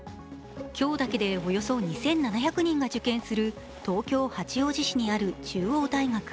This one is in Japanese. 今日だけでおよそ２７００人が受験する東京・八王子市にある中央大学。